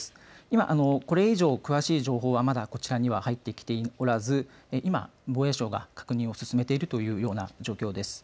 今、これ以上詳しい情報はまだこちらには入ってきておらず今、防衛省が確認を進めているというような状況です。